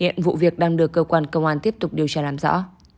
hiện vụ việc đang được cơ quan công an tiếp tục điều tra làm rõ